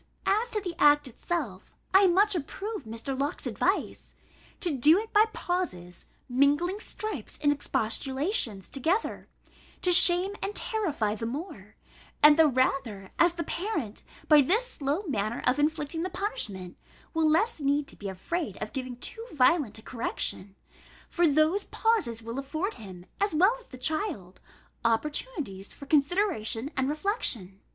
As to the act itself, I much approve Mr. Locke's advice, to do it by pauses, mingling stripes and expostulations together, to shame and terrify the more; and the rather, as the parent, by this slow manner of inflicting the punishment, will less need to be afraid of giving too violent a correction; for those pauses will afford him, as well as the child, opportunities for consideration and reflection.